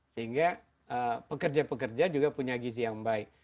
sehingga pekerja pekerja juga punya gizi yang baik